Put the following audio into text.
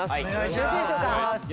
よろしいでしょうか？